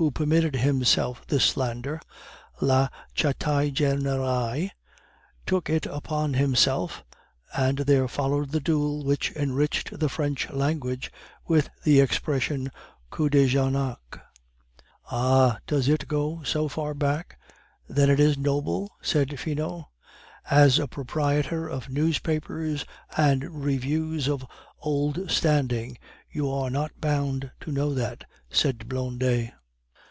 who permitted himself this slander, La Chataigneraie took it upon himself, and there followed the duel which enriched the French language with the expression coup de Jarnac." "Oh! does it go so far back? Then it is noble?" said Finot. "As a proprietor of newspapers and reviews of old standing, you are not bound to know that," said Blondet.